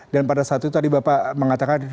dan pada saat itu tadi bapak mengatakan